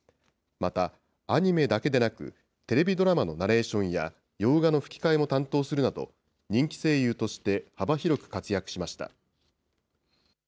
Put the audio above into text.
また、アニメだけでなく、テレビドラマのナレーションや洋画の吹き替えも担当するなど、人気声優として幅広く活躍しました。